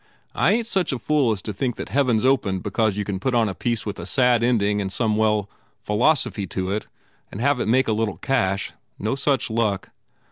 I ain t such a fool as to think that Heaven s opened because you can put on a piece with a sad ending and some well, philosophy to it and have it make a little cash. No such luck.